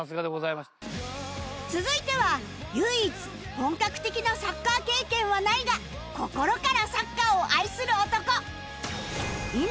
続いては唯一本格的なサッカー経験はないが心からサッカーを愛する男